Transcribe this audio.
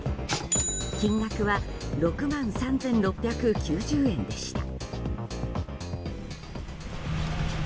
金額は６万３６９０円でした。